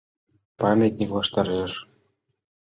Памятник ваштареш.